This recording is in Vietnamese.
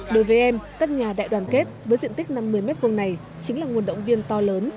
đối với em các nhà đại đoàn kết với diện tích năm mươi m hai này chính là nguồn động viên to lớn